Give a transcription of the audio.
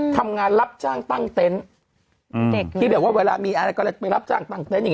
ทำงานลับจ้างตั้งเต้น